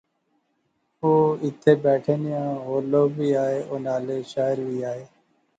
او ایتھیں بیٹھے نیاں ہور لوک وی آئے وہ نالے شاعر وی آئے